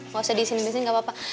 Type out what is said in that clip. gak usah diisiin bensin gak apa apa